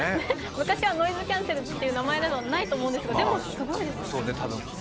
昔はノイズキャンセルという名前などないと思うんですけどすごいですね。